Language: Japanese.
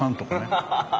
ハハハハハ。